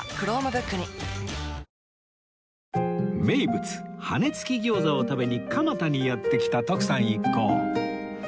名物羽根付き餃子を食べに蒲田にやって来た徳さん一行